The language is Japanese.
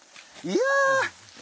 いや！